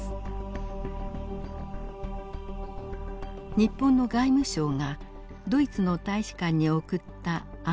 日本の外務省がドイツの大使館に送った暗号電。